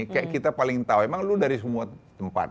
kayak kita paling tahu emang lu dari semua tempat